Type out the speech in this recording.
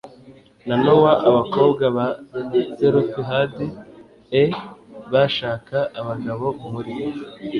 na nowa abakobwa ba selofehadi e bashaka abagabo muri